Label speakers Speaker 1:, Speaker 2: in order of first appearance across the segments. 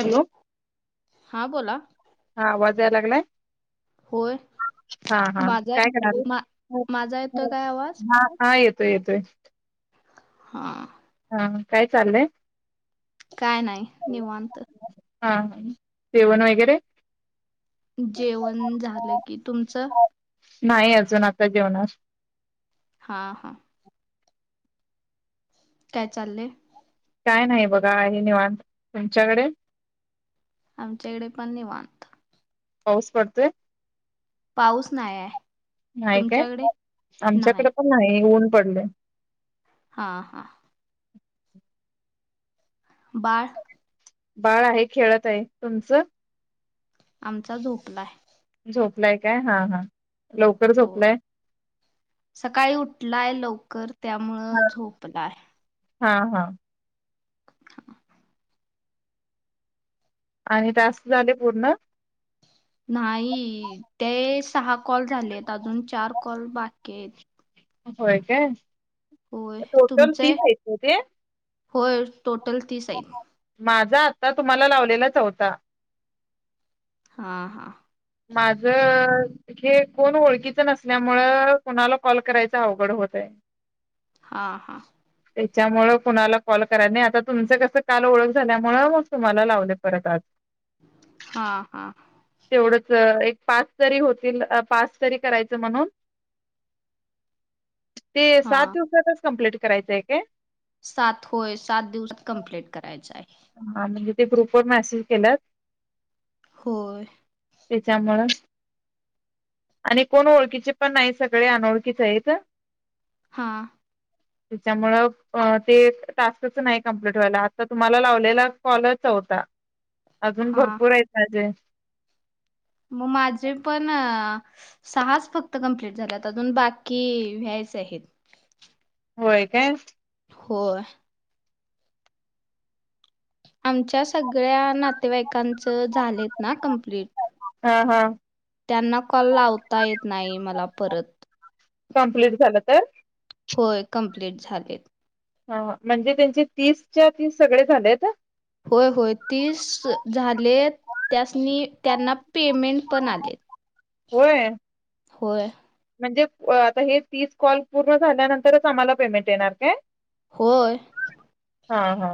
Speaker 1: Hello,
Speaker 2: हा बोला
Speaker 1: हा आवाज याय लागलाय.
Speaker 2: होय
Speaker 1: हा हा,
Speaker 2: माझा
Speaker 1: काय करालय,
Speaker 2: मा माझा येतोय काय आवाज
Speaker 1: हा हा येतोय येतोय.
Speaker 2: हां
Speaker 1: हा काय चाललंय?
Speaker 2: काय नाही निवांत.
Speaker 1: हा हा जेवण वगैरे
Speaker 2: जेवण झालं की तुमचं?
Speaker 1: नाही अजून आता जेवनार
Speaker 2: हा हा काय चाललंय?
Speaker 1: काय नाही बघा आहे निवतं तुमच्याकडे
Speaker 2: आमच्याकडे पण निवात
Speaker 1: पाऊस पडतोय?
Speaker 2: पाऊस नाय आहे तुमच्याकडे नाय.
Speaker 1: त नाही ऊन पडलय.
Speaker 2: हा हा बाळ
Speaker 1: बाळ आहे खेळत आहे तुमचं?
Speaker 2: आमचा झोपला आहे.
Speaker 1: झोपलाय काय हा हा लवकर
Speaker 2: हो
Speaker 1: झोपलाय.
Speaker 2: सकाळी उठलाय लवकर त्यामुळं झोपलाय.
Speaker 1: हा हा आणि टास्क झाले पूर्ण?
Speaker 2: नाही ते सहा कॉल झालेत अजून चार कॉल बाकी आहेत
Speaker 1: होय काय.
Speaker 2: होय
Speaker 1: टोटल
Speaker 2: तुमचे?
Speaker 1: तीन आहेत ना ते
Speaker 2: होय टोटल तीस आहेत.
Speaker 1: माझा आत्ता तुम्हाला लावलेला चौथा.
Speaker 2: हा हा
Speaker 1: माझ हे कोण ओळखीच नसल्यामुळ कोणाला कॉल करायच अवघड होतय.
Speaker 2: हा हा-
Speaker 1: त्याच्यामु कुणाला कॉल कराय नाही आता तुमचं कसं काल ओळख झाल्यामुळ तुम्हाला लावलय परत आज.
Speaker 2: हा हा
Speaker 1: तेवढंच एक पाच जरी होतील पाच तरी करायचं म्हणून ते
Speaker 2: हा
Speaker 1: सात दिवसातच कमप्लीट करायचंय काय.
Speaker 2: सात होय सात दिवस कमप्लीट करायचं आहे.
Speaker 1: हा म्हणजे ते ग्रुप वर मेसेज केलात.
Speaker 2: होय.
Speaker 1: त्याच्यामुळ. आणि कोण ओळखीचे पण नाही सगळे अनोळखीच आहेत.
Speaker 2: हां
Speaker 1: त्याच्यामुळे ते टास्कच नाही कंप्लीट व्हायला आता तुम्हाला लाव. ला कॉलच होता अजून
Speaker 2: हा
Speaker 1: भरपूर आहेत माझे
Speaker 2: मग माझे पण सहाच फक्त कंप्लीट झाल्या अजून बाकी व्यायच आहेत.
Speaker 1: होय काय.
Speaker 2: होय. आमच्या सगळ्या नातेवाईकांचं झालेत ना कम्प्लीट.
Speaker 1: हा हा.
Speaker 2: त्यांना कॉल लावता येत नाही मला परत.
Speaker 1: कम्प्लीट झालं तर?
Speaker 2: होय, कंप्लीट झालेत.
Speaker 1: हा हा, म्हणजे त्यांचे तीसच्या तीस सगळे झालेत.
Speaker 2: होय होय, तीस झाले. त्यासनी, त्यांना पेमेंट पण आले.
Speaker 1: होय.
Speaker 2: होय.
Speaker 1: म्हणजे आता हे तीस कॉल पूर्ण झाल्यानंतरच आम्हाला पेमेंट येणार काय?
Speaker 2: होय.
Speaker 1: हा हा.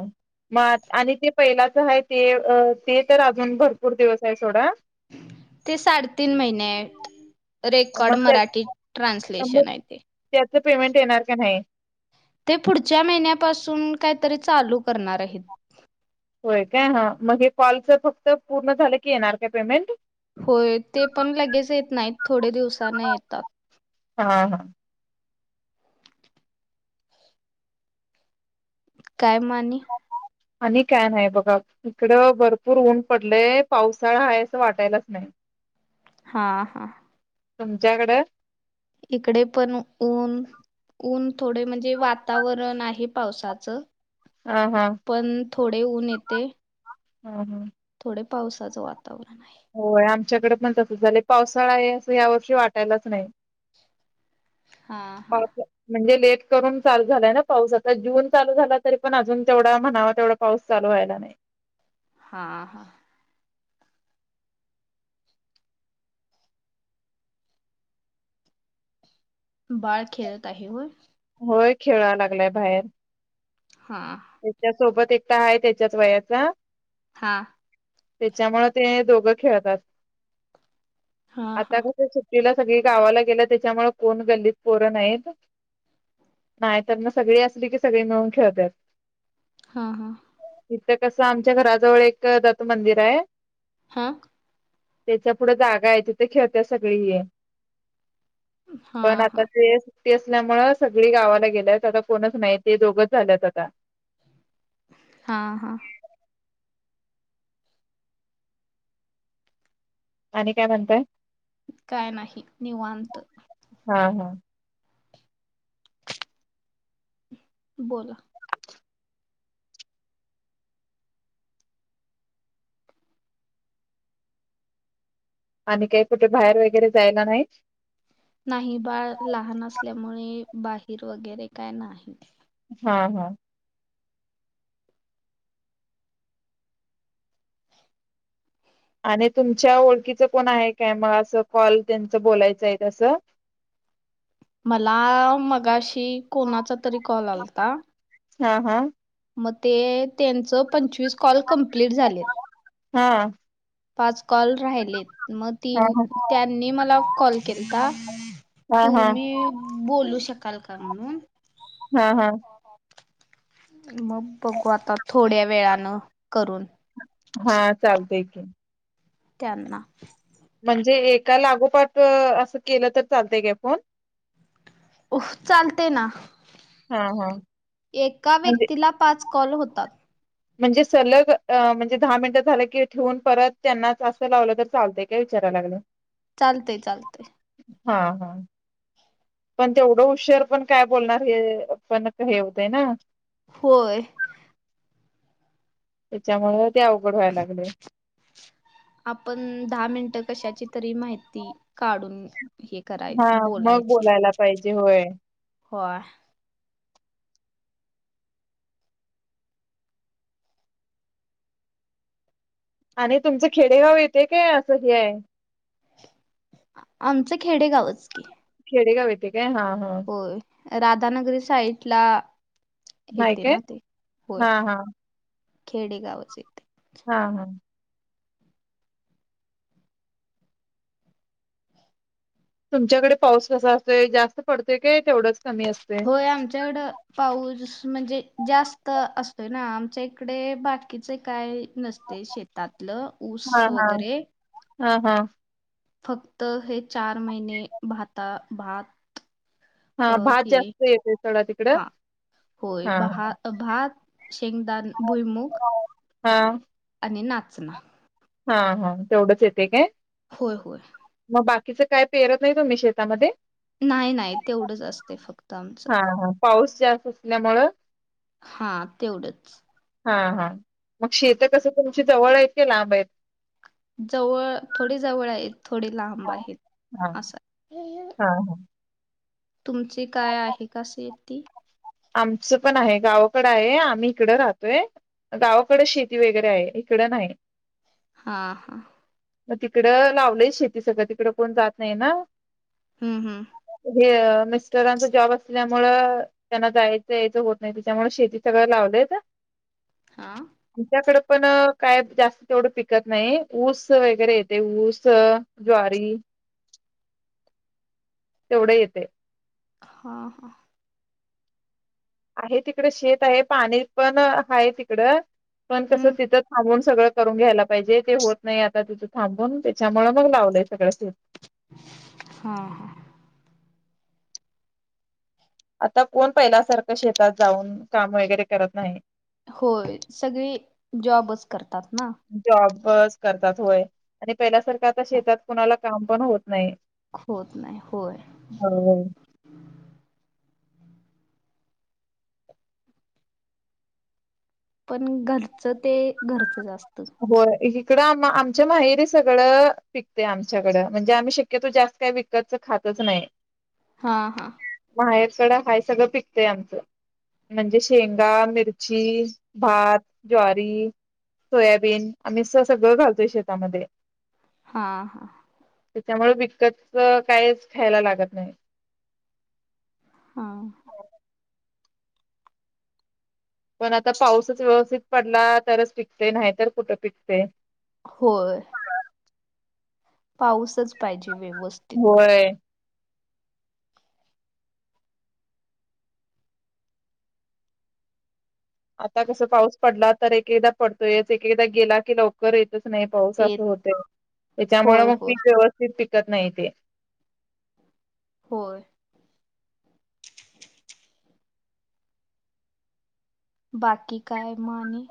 Speaker 1: मग आणि ते पहिलाच आहे ते ते, तर अजून भरपूर दिवस आहे सोडा.
Speaker 2: ते साडेतीन महिने आहेत. रेकॉर्ड
Speaker 1: मग त्या
Speaker 2: मराठी
Speaker 1: मग
Speaker 2: ट्रान्सलेशन आहे ते.
Speaker 1: त्याच पेमेंट येणार की नाही?
Speaker 2: ते पुढच्या महिन्यापासून, काहीतरी चालू करणार आहेत.
Speaker 1: होय काय? हं. मग हे कॉलचं फक्त पूर्ण झालं की, येणार काय पेमेंट?
Speaker 2: होय, ते पण लगेच येत नाहीत. थोडे दिवसानं येतात.
Speaker 1: हा हा.
Speaker 2: काय म आणि?
Speaker 1: आणि काय नाही बघा. इकडं भरपूर ऊन पडलंय, पावसाळा आहे असं वाटायलाच नाही.
Speaker 2: हा हा हा.
Speaker 1: तुमच्याकडे?
Speaker 2: इकडे पण ऊन, ऊन थोडे म्हणजे वातावरण आहे. पावसाचं
Speaker 1: हां, हां.
Speaker 2: पण थोडे ऊन येते.
Speaker 1: हां हां.
Speaker 2: थोडे पावसाचं वातावरण आहे.
Speaker 1: होय, आमच्याकडे पण तसंच झालंय. पावसाळा आहे, असं या वर्षी वाटायलाच नाही.
Speaker 2: हा हा
Speaker 1: पावसा म्हणजे लेट करून चालू झालाय ना पाऊस आता जून चालू झाला तरी पण अजून तेवढा म्हणावा तेवढा पाऊस चालू व्हायला नाही.
Speaker 2: हा हां. बाळ, खेळत आहे होय?
Speaker 1: होय, खेळाय लागलाय बाहेर.
Speaker 2: हा.
Speaker 1: त्याच्या सोबत एकटा आहे, त्याच्याच वयाचा.
Speaker 2: हा.
Speaker 1: त्याच्यामुळं ते, दोघं खेळतात.
Speaker 2: हा हा
Speaker 1: आता कसं सुट्टीला सगळी गावाला गेल्या, त्याच्यामुळे कोण गल्लीत पोरं नाहीत. नाही तर ना सगळी असली की, सगळी मिळून खेळतात.
Speaker 2: हा हा.
Speaker 1: इथं कसं आमच्या घराजवळ, एक दत्त मंदिर आहे.
Speaker 2: हां!
Speaker 1: त्याच्या पुढे जागा आहे तिथे खेळत्यां सगळी. पण
Speaker 2: हा
Speaker 1: आता
Speaker 2: हा
Speaker 1: ते. ते असन्यामुळ सगळी गावाला गेल्यात, आता कोणच नाही ते दोघच झाल्यात आता.
Speaker 2: हां हां!
Speaker 1: आणि काय म्हणताय?
Speaker 2: काय नाही निवांत.
Speaker 1: हा हा!
Speaker 2: बोला!
Speaker 1: आणि काही कुठे बाहेर वगैरे जायला नाही?
Speaker 2: नाही बाळ लहान असल्यामुळे, बाहेर वगैरे काय नाही.
Speaker 1: हा हा! आणि तुमच्या ओळखीचं कोण आहे काय, म असं कॉल त्यांचं बोलायचं आहेत असं.
Speaker 2: मला मगाशी, कोणाचा तरी कॉल आलता.
Speaker 1: हा हा!
Speaker 2: म ते त्यांचं पंचवीस कॉल कंप्लीट झाल्यात.
Speaker 1: हा!
Speaker 2: पाच कॉल राहिलेत. म
Speaker 1: हां,
Speaker 2: तीन
Speaker 1: हां.
Speaker 2: त्यांनी मला कॉल केलता
Speaker 1: हां, हां.
Speaker 2: तुमी बोलू शकाल का म्हणून.
Speaker 1: हा हा!
Speaker 2: म बघू आता थोड्या वेळानं करून.
Speaker 1: हा चालतय की.
Speaker 2: त्यांना.
Speaker 1: म्हणजे एका लागोपाठ, असं केलं तर चालतय का फोन.
Speaker 2: चालतेय ना,
Speaker 1: हां, हां.
Speaker 2: एका
Speaker 1: म्हणजे
Speaker 2: व्यक्तीला पाच कॉल होतात.
Speaker 1: म्हणजे सलग अ म्हणजे दहा मिनिटं झालं की ठीवून परत त्यांनाच असं लावलं तर चालतय काय, विचाराया लागल्या. [inaudible]
Speaker 2: चालतय चालतय.
Speaker 1: हा हा! पण तेवढं [unintelligible] पण काय बोलणार, हे पण हे होतय आहे ना.
Speaker 2: होय!
Speaker 1: त्याच्यामुळ ते अवघड व्हायां लागलय.
Speaker 2: आपण दहा मिनटं कशाची तरी माहिती काढून हे कराय
Speaker 1: हां. मग
Speaker 2: बोलायची
Speaker 1: बोलायला पाहिजे होय
Speaker 2: व्होय.
Speaker 1: आणि तुमचं खेडेगाव येते काय, असं हे आहे?
Speaker 2: आमचं खेडेगावच की.
Speaker 1: खेडेगाव येते का, हा हा!
Speaker 2: होय राधानगरी साइड, ला
Speaker 1: हाय
Speaker 2: येते
Speaker 1: काय
Speaker 2: ना ते होय.
Speaker 1: हा हा
Speaker 2: खेडे गावच हे.
Speaker 1: हा हा! तुमच्याकडे पाऊस कसा असतोय, जास्त पडतय का तेवढंच कमी असते.
Speaker 2: होय आमच्याकड पाऊस म्हणजे जास्त असतोय ना, आमच्या इकडे बा कीच काय नसतय शेतातलं. ऊस
Speaker 1: हा हा
Speaker 2: वगैरे
Speaker 1: हं हं!
Speaker 2: फक्त हे चार महिने भाता भात अ
Speaker 1: हा भात
Speaker 2: हे
Speaker 1: जास्त येतोय सोडा तिकडं
Speaker 2: हा होय
Speaker 1: हा
Speaker 2: बहा भात, शेंगदान, भुईमुग
Speaker 1: हा.
Speaker 2: आणि नाचना.
Speaker 1: हा हा. तेवढंच येते काय?
Speaker 2: होय होय.
Speaker 1: मग बाकीचं काय पेरत नाही तुम्ही शेतामध्ये?
Speaker 2: नाही नाही तेवढंच असतं फक्त. आमचं
Speaker 1: हा हा पाऊस जास्त असल्यामुळं
Speaker 2: हा तेवढंच.
Speaker 1: हा हा मग शेत कसं तुमची जवळ आहेत का लांब आहेत?
Speaker 2: जवळ थोडी जवळ आहेत थोडे लांब
Speaker 1: हा
Speaker 2: आहेत
Speaker 1: हा
Speaker 2: अस.
Speaker 1: हा हा.
Speaker 2: तुमची काय आहे का शेती?
Speaker 1: आमचं पण आहे गावाकड आहे आम्ही इकड राहतोय. गावाकडे शेती वगैरे आहे इकडं नाही.
Speaker 2: हा हा.
Speaker 1: मग तिकडं लावलंय शेती सगळं तिकडं कोण जात नाही ना.
Speaker 2: हम्म हम्.
Speaker 1: मिस्टरांचा जॉब असल्यामुळं त्यांना जायचं यायचं होत नाही त्याच्यामुळे शेती सगळं लावलेत.
Speaker 2: हा.
Speaker 1: आमच्याकडे पण काय जास्त तेवढं पिकत नाही ऊस वगैरे येते ऊस जवारी तेवढे येते.
Speaker 2: हा हा.
Speaker 1: आहे तिकड शेत आहे पाणी पण आहे तिकडं. पण कसं
Speaker 2: हम्म
Speaker 1: तिथं थांबून सगळं करून घ्यायला पाहिजे ते होत नाही आता तिथं थांबून त्याच्यामुळे मग लावलेत. सगळ.
Speaker 2: हा हा.
Speaker 1: आता कोण पहिल्यासारखं शेतात जाऊन काम वगैरे करत नाही.
Speaker 2: होय सगळे जॉबच करतात ना.
Speaker 1: जॉबच करतात होय आणि पहिल्यासारखं आता शेतात कुणाला काम पण होत नाही.
Speaker 2: होत नाही होय.
Speaker 1: [inaudible]
Speaker 2: पण घरचं ते घरचंच असत.
Speaker 1: हो इकडं आ आमच्या माहेरी सगळं पिकते आमच्याकडं म्हणजे आम्ही शक्यतो जास्त काय विकत. विकतच खातच नाही.
Speaker 2: हा हा
Speaker 1: माहेर कड खाय सगळं पिकतेंय आमचं म्हणजे शेंगा, मिरची, भात, ज्वारी. सोयाबीन मि सगळं घालतोय शेतामध्ये.
Speaker 2: हा हा.
Speaker 1: त्याच्यामुळे विकत काहीच ख्यायला लागत नाही.
Speaker 2: हा.
Speaker 1: पण आता पाऊसच व्यवस्थित पडला तरच पिकते नाही तर कुठं पिकते.
Speaker 2: होय पाऊसच पाहिजे व्यवस्थित.
Speaker 1: होय आता कस पाऊस पडला तर एकेदा पडतोयच एकेदा गेला की लवकर येतच नाही. पाऊस अस
Speaker 2: येत
Speaker 1: होते, त्याच्यामुळे
Speaker 2: होय
Speaker 1: मग
Speaker 2: होय
Speaker 1: पीक व्यवस्थित पिकत नाही.
Speaker 2: होय बाकी काय मग आणि?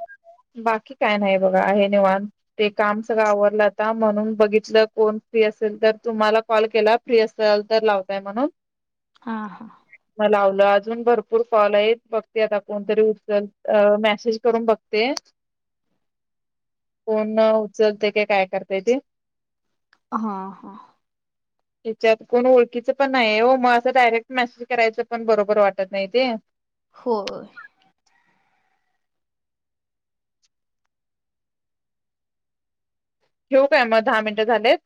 Speaker 1: बाकी काय नाही बघा आहे निवांत. ते काम सगळं आवरडलं आता म्हणून बघितलं कोण फ्री असेल तर तुम्हाला कॉल केला. फ्री असेल तर लावतय ईल म्हणून.
Speaker 2: हा हा
Speaker 1: लावलं अजून भरपूर काॅल आहेत, बघते आता कोणतरी उचल मेसेज करून बघते. ते कोण उचलते की काय करते ते.
Speaker 2: हा हा
Speaker 1: त्याच्यात कोण ओळखीचं पण नाही हो, मग असं डायरेक्ट मेसेज करायचं पण बरोबर वाटत नाही ते
Speaker 2: होय
Speaker 1: ठेऊ काय मग दहा मिनटं झालेत.